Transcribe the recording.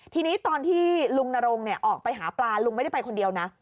ทีนี้ตอนที่ลุงนรงออกไปหาปลาลุงไม่ได้ไปคนเดียวนะ